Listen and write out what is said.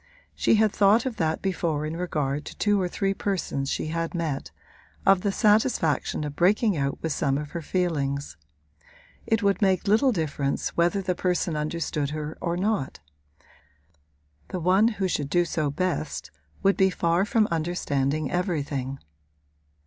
She had thought of that before in regard to two or three persons she had met of the satisfaction of breaking out with some of her feelings. It would make little difference whether the person understood her or not; the one who should do so best would be far from understanding everything.